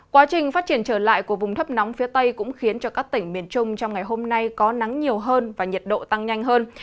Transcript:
quá trình phát triển trở lại của vùng thấp nóng phía tây cũng khiến cho các tỉnh miền trung trong ngày hôm nay có nắng nhiều hơn và nhiệt độ tăng nhanh hơn